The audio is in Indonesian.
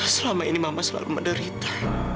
selama ini mama selalu menderita